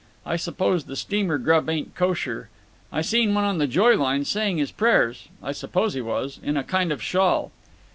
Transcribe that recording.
I suppose the steamer grub ain't kosher. I seen one on the Joy Line saying his prayers—I suppose he was—in a kind of shawl."